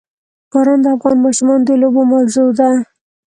باران د افغان ماشومانو د لوبو موضوع ده.